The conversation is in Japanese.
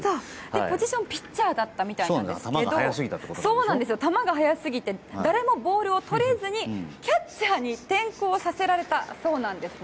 ポジションはピッチャーだったみたいなんですが球が速すぎて誰もボールを取れずにキャッチャーに転向させられたそうなんですね。